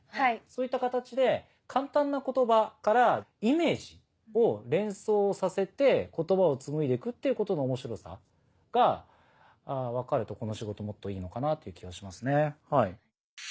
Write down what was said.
そういった形で簡単な言葉からイメージを連想させて言葉を紡いで行くっていうことの面白さが分かるとこの仕事もっといいのかなという気はしますね。